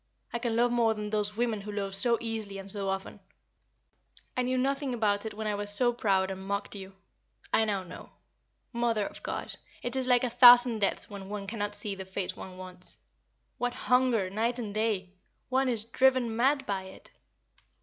I can love more than those women who love so easily and so often. I knew nothing about it when I was so proud and mocked you. I know now. Mother of God! it is like a thousand deaths when one cannot see the face one wants. What hunger night and day! one is driven mad by it!"